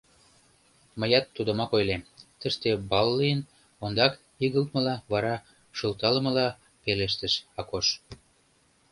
— Мыят тудымак ойлем: тыште бал лийын, — ондак игылтмыла, вара шылталымыла пелештыш Акош: